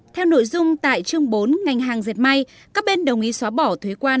theo nội dung tại chương bốn ngành hàng diệt may các bên đồng ý xóa bỏ thuế quan